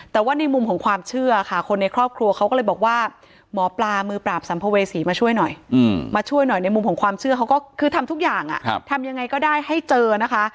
แต่ว่าในมุมของความเชื่อค่ะคนในครอบครัวเขาก็เลยบอกว่าหมอปลามือปราบสัมภเวษีมาช่วยหน่อยมาช่วยหน่อยในมุมของความเชื่อเขาก็คือทำทุกอย่างทำยังไงก็ได้ให้เจอนะคะ